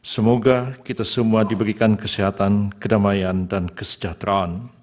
semoga kita semua diberikan kesehatan kedamaian dan kesejahteraan